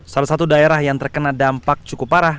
salah satu daerah yang terkena dampak cukup parah